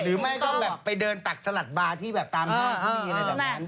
หรือไม่ก็แบบไปเดินตักสลัดบาร์ที่ตามให้ผู้ดีอะไรแบบนั้น